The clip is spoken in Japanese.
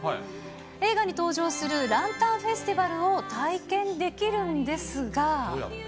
映画に登場するランタンフェスティバルを体験できるんですが。